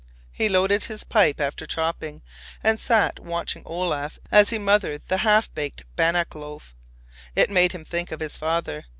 He loaded his pipe after his chopping, and sat watching Olaf as he mothered the half baked bannock loaf. It made him think of his father.